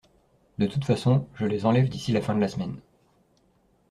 De toute façon, je les enlève d’ici la fin de la semaine.